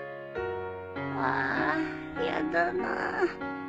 ああやだな